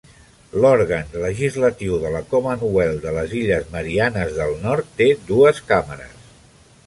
L'òrgan legislatiu de la Commonwealth de les Illes Marianes del Nord té dues càmeres.